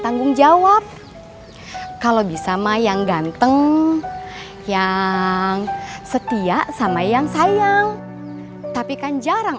tanggung jawab kalau bisa mah yang ganteng yang setia sama yang sayang tapi kan jarang